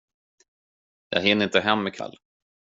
Jag hinner inte hem ikväll.